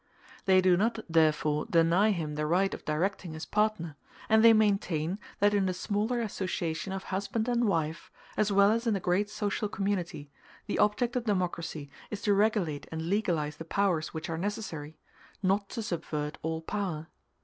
They do not therefore deny him the right of directing his partner; and they maintain, that in the smaller association of husband and wife, as well as in the great social community, the object of democracy is to regulate and legalize the powers which are necessary, not to subvert all power.